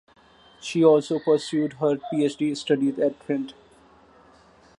She also pursued her PhD studies at Trent.